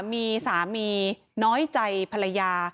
มีสามีน้อยใจภรรยา